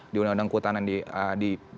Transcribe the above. di undang undang kehutanan di